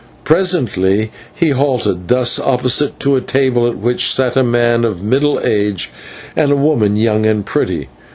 Presently he halted thus opposite to a table at which sat a man of middle age and a woman young and pretty.